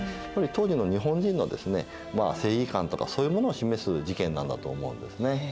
やっぱり当時の日本人の正義感とかそういうものを示す事件なんだと思うんですね。